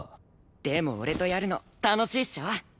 でも俺とやるの楽しいっしょ？